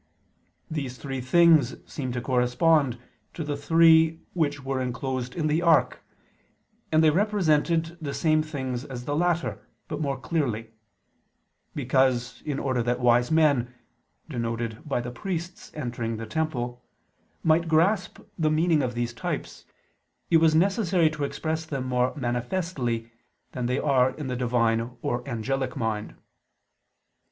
These three things seem to correspond to the three which were enclosed in the ark; and they represented the same things as the latter, but more clearly: because, in order that wise men, denoted by the priests entering the temple, might grasp the meaning of these types, it was necessary to express them more manifestly than they are in the Divine or angelic mind.